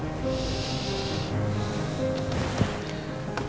aduh kesel banget